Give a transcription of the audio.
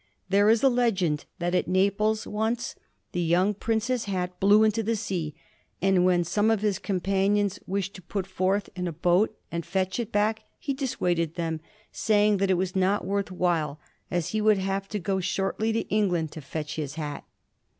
There is a legend that at Naples once the young prince's hat blew into the sea, and when some of his companions wished to put forth in a boat and fetch it back he dissuaded them, saying that it was not worth while, as he would have to go shortly to England to fetch his hat.